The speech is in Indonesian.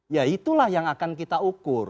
ya itulah yang akan kita ukur